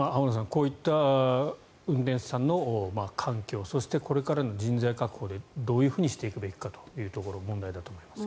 こういった運転手さんの環境そしてこれからの人材確保でどうしていくべきかというところが問題だと思いますが。